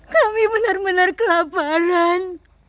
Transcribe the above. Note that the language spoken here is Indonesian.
kami benar benar kelaparan